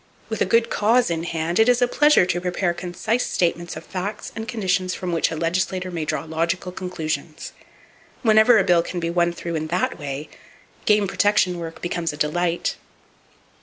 With a good cause in hand, it is a pleasure to prepare concise statements of facts and conditions from which a legislator may draw logical conclusions. Whenever a bill can be won through in that way, game protection work becomes a delight.